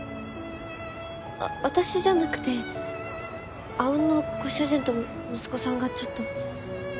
私じゃなくて阿吽のご主人と息子さんがちょっと。